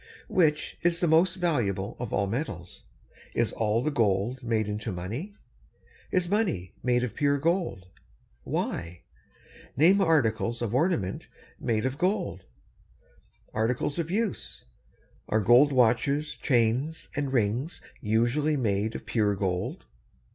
Which is the most valuable of all metals? Is all the gold made into money? Is money made of pure gold? Why? Name articles of ornament made of gold. Articles of use. Are gold watches, chains, and rings usually made of pure gold?